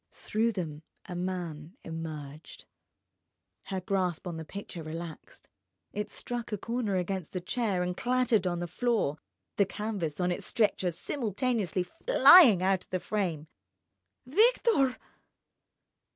Through them a man emerged. Her grasp on the picture relaxed. It struck a corner against the chair and clattered on the floor—the canvas on its stretcher simultaneously flying out of the frame. "Victor!"